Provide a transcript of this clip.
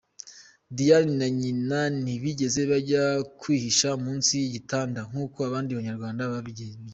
Diane na Nyina ntibigeze bajya kwihisha munsi y’igitanda nkuko abandi banyarwanda babigenza.